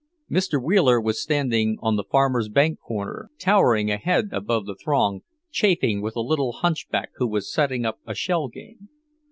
Mr. Wheeler was standing on the Farmer's Bank corner, towering a head above the throng, chaffing with a little hunchback who was setting up a shell game.